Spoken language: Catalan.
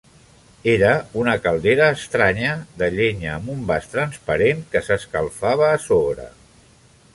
Era una caldera estranya, de llenya, amb un vas transparent que s'escalfava a sobre.